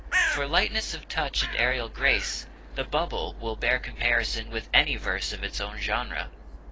For lightness of touch and aerial grace, 'The Bubble' will bear comparison with any verse of its own genre.